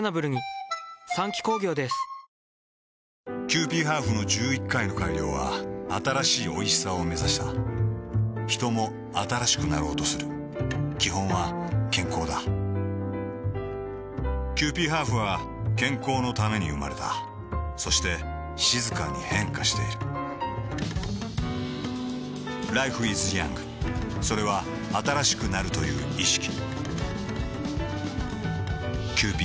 キユーピーハーフの１１回の改良は新しいおいしさをめざしたヒトも新しくなろうとする基本は健康だキユーピーハーフは健康のために生まれたそして静かに変化しているＬｉｆｅｉｓｙｏｕｎｇ．それは新しくなるという意識